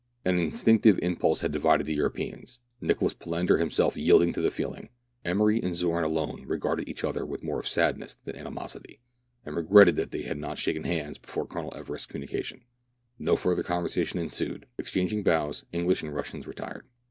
An instinctive impulse had divided the Europeans — Nicholas Palander himself yielding to the feeling : Emery and Zorn alone regarded each other with more of sadness than animosity, and regretted that they had not shaken hands before Colonel Everest's commu nication. No further conversation ensued ; exchanging bows, English and Russians retired.